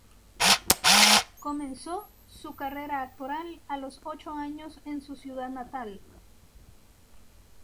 Comenzó su carrera actoral a los ocho años en su ciudad natal.